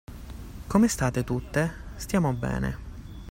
Come state tutte? Stiamo bene.